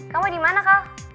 kamu dimana kak